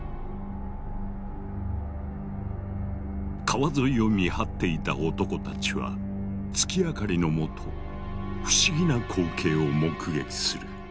川沿いを見張っていた男たちは月明かりのもと不思議な光景を目撃する。